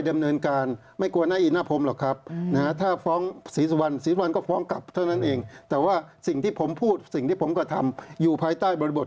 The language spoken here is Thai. ทำแบบนี้ไหมคะฟ้องศรีสุวรรณศรีสุวรรณฟ้องศรีโรธฟ้องศรีโรธฟ้องศรีสุวรรณฟ้องศรีโรธ